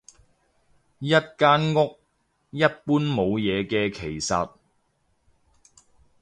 一間屋，一般冇嘢嘅其實